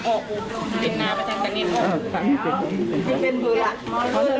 โอ้โหโอ้โห